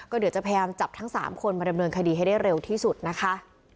เดี๋ยวจะพยายามจับทั้ง๓คนมาดำเนินคดีให้ได้เร็วที่สุดนะคะ